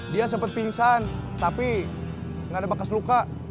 dia sempat pingsan tapi nggak ada bekas luka